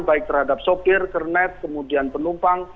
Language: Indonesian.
baik terhadap sopir kernet kemudian penumpang